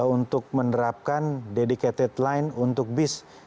untuk menerapkan dedicated line untuk bis